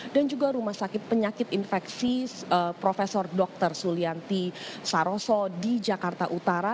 dan juga rumah sakit penyakit infeksi prof dr sulianti saroso di jakarta utara